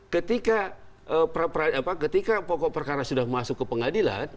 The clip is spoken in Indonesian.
ketika pokok perkara sudah masuk ke pengadilan